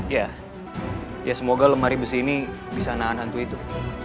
ya ya semoga lemari besi ini bisa nahan hantu itu